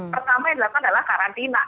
pertama yang dilakukan adalah karantina